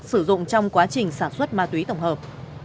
sử dụng trong quá trình sản xuất ma túy tổng hợp